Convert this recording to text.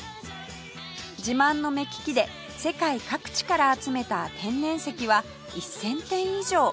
自慢の目利きで世界各地から集めた天然石は１０００点以上